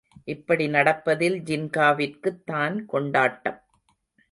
இப்படி நடப்பதில் ஜின்காவிற்குத் தான் கொண்டாட்டம்.